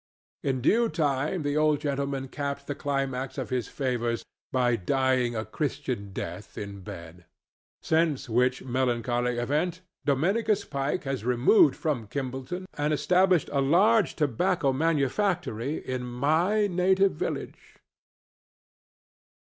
In due time the old gentleman capped the climax of his favors by dying a Christian death in bed; since which melancholy event, Dominicus Pike has removed from Kimballton and established a large tobacco manufactory in my native village.